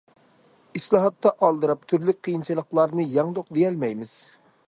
ئىسلاھاتتا ئالدىراپ‹‹ تۈرلۈك قىيىنچىلىقلارنى يەڭدۇق›› دېيەلمەيمىز.